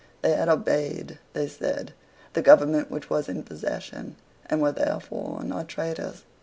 They had obeyed, they said, the government which was in possession, and were therefore not traitors.